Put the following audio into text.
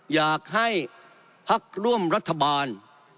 อยากให้พักร่วมรัฐบาล